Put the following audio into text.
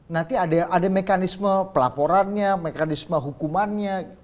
nanti ada mekanisme pelaporannya mekanisme hukumannya